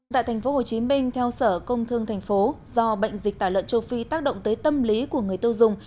tại tp hcm theo sở công thương tp do bệnh dịch tả lợn châu phi tác động tới tâm lý của người tiêu dùng